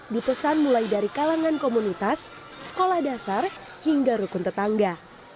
dipesan mulai dari kalangan komunitas sekolah dasar hingga rukun tetangga